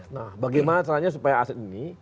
nah bagaimana caranya supaya aset ini